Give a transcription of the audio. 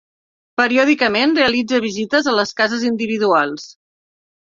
Periòdicament realitza visites a les cases individuals.